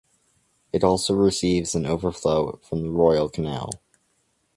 It also receives an overflow from the Royal Canal.